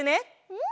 うん！